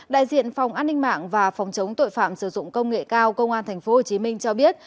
đại diện phòng an ninh mạng và phòng chống tội phạm sử dụng công nghệ cao công an tp hcm cho biết